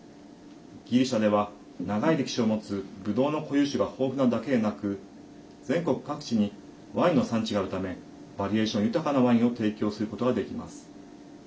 ギリシャでは長い歴史を持つブドウの固有種が豊富なだけでなく全国各地にワインの産地があるためバリエーション豊かなワインを提供することができます。